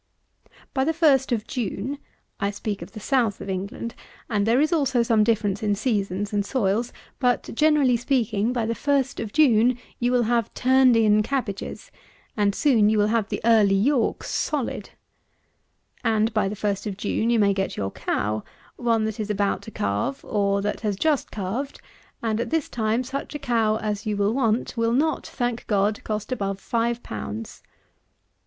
120. By the first of June; I speak of the South of England, and there is also some difference in seasons and soils; but, generally speaking, by the first of June you will have turned in cabbages, and soon you will have the Early Yorks solid. And by the first of June you may get your cow, one that is about to calve, or that has just calved, and at this time such a cow as you will want will not, thank God, cost above five pounds.